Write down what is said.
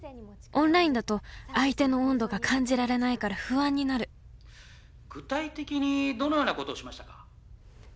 オンラインだと相手の温度が感じられないから不安になる「具体的にどのようなことをしましたか？」。